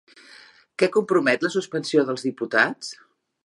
Què compromet la suspensió dels diputats?